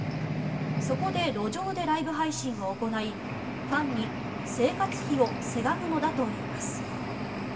そこで路上でライブ配信を行いファンに生活費をせがむのだといいます。